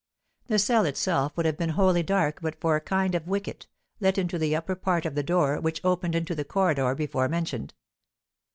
The cell itself would have been wholly dark but for a kind of wicket, let into the upper part of the door, which opened into the corridor before mentioned.